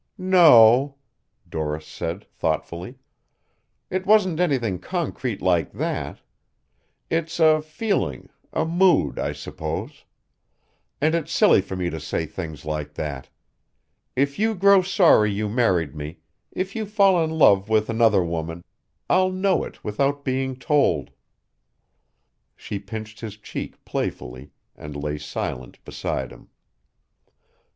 "No," Doris said thoughtfully. "It wasn't anything concrete like that. It's a feeling, a mood, I suppose. And it's silly for me to say things like that. If you grow sorry you married me, if you fall in love with another woman, I'll know it without being told." She pinched his cheek playfully and lay silent beside him.